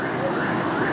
dữ liệu quốc gia về dân cư